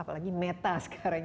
apalagi meta sekarang